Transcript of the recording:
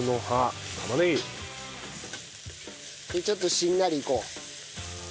ちょっとしんなりいこう。